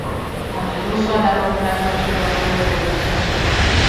Con el uso a largo plazo, el sudor puede volverse azul.